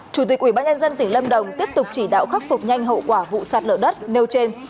chủ tịch ubnd tỉnh lâm đồng tiếp tục chỉ đạo khắc phục nhanh hậu quả vụ sạt lở đất nêu trên